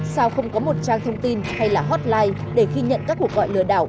sao không có một trang thông tin hay là hotline để khi nhận các cuộc gọi lừa đảo